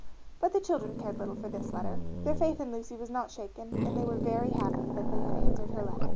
But the children cared little for this letter; their faith in Lucy was not shaken, and they were very happy that they had answered her letter.